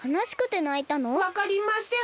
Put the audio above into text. わかりません。